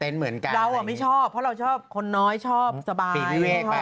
ใช่เราอะไม่ชอบเพราะเราชอบคนน้อยชอบสบายปิดเวียกไป